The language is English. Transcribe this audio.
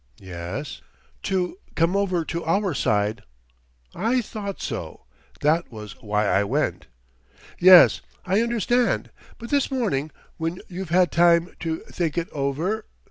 "Yes ?" "To come over to our side " "I thought so. That was why I went." "Yes; I understood. But this morning, when you've had time to think it over